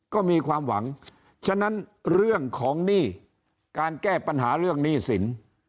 ก็มีความหวังฉะนั้นเรื่องของหนี้การแก้ปัญหาเรื่องหนี้สิน